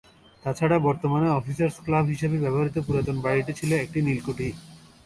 তাছাড়া বর্তমানে officers club হিসেবে ব্যবহৃত পুরাতন বাড়িটি ছিল একটি নীলকুঠি।